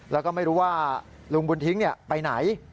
แล้วก็ไม่รู้ว่าลุงบุญทิ้งไปไหน